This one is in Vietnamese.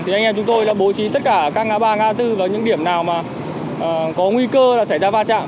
thì anh em chúng tôi đã bố trí tất cả các ngã ba ngã tư và những điểm nào có nguy cơ là xảy ra va chạm